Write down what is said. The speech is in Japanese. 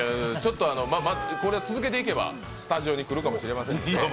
これ続けていけば、スタジオに来るかもしれませんけど。